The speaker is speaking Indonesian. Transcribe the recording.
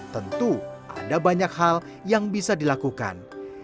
tentu ada banyak hal yang bisa dilakukan